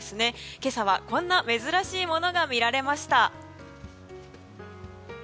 今朝はこんな珍しいものが見られました。